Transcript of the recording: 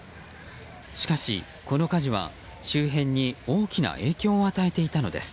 しかし、この火事は周辺に大きな影響を与えていたのです。